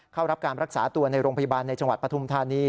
เข้ารับการรักษาตัวในโรงพยาบาลในจังหวัดปฐุมธานี